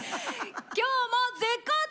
今日も絶好調！